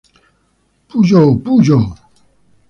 Puyo Puyo!